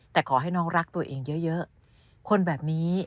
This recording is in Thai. แต่ขอให้น้องรักตัวเองเยอะคนแบบนี้